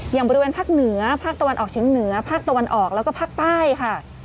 อย่างบริเวณภาคเหนือภาคตะวันออกเชียงเหนือภาคตะวันออกแล้วก็ภาคใต้ค่ะ